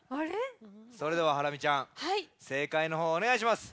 それではハラミちゃんせいかいのほうをおねがいします。